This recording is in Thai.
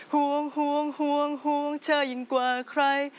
ห่วงห่วงห่วงห่วงเธอยังกว่าใคร